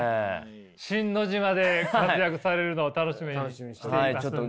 シン・ノジマで活躍されるのを楽しみにしていますんで。